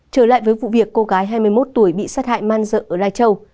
trở lại với vụ việc cô gái hai mươi một tuổi bị sát hại man dợ ở lai châu